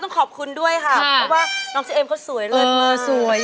ต้องขอบคุณด้วยค่ะเพราะว่าน้องเจ๊เอ็มเขาสวยเลิศมาก